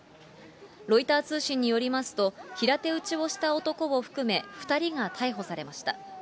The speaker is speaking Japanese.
ロイター通信によりますと、平手打ちをした男を含め、２人が逮捕されました。